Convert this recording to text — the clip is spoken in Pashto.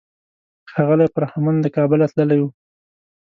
ښاغلی فرهمند له کابله تللی و.